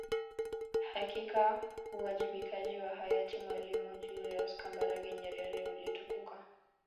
Hakika uwajibikaji wa hayati Mwalimu Julius Kambarage Nyerere ulitukuka